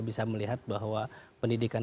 bisa melihat bahwa pendidikan